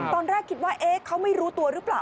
ตอนแรกคิดว่าเขาไม่รู้ตัวหรือเปล่า